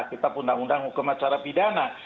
kitab undang undang hukum acara pidana